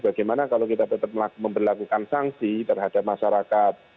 bagaimana kalau kita tetap memperlakukan sanksi terhadap masyarakat